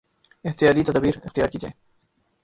احتیاطی تدابیراختیار کی جائیں